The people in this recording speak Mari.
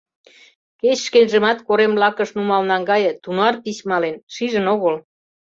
Кеч шкенжымат корем лакыш нумал наҥгае, тунар пич мален, шижын огыл.